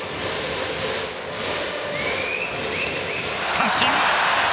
三振！